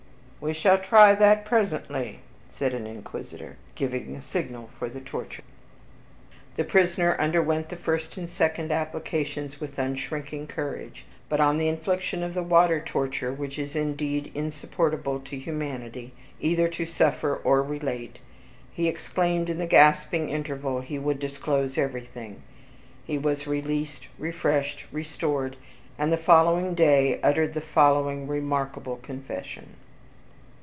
"We shall try that presently," said an Inquisitor, giving a signal for the torture. ..... The prisoner underwent the first and second applications with unshrinking courage, but on the infliction of the water torture, which is indeed insupportable to humanity, either to suffer or relate, he exclaimed in the gasping interval, he would disclose everything. He was released, refreshed, restored, and the following day uttered the following remarkable confession.